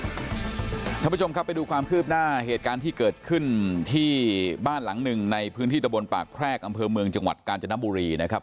คุณผู้ชมครับไปดูความคืบหน้าเหตุการณ์ที่เกิดขึ้นที่บ้านหลังหนึ่งในพื้นที่ตะบนปากแพรกอำเภอเมืองจังหวัดกาญจนบุรีนะครับ